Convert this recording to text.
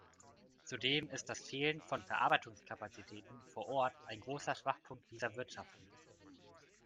Zudem ist das Fehlen von Verarbeitungskapazitäten vor Ort ein großer Schwachpunkt dieser Wirtschaften.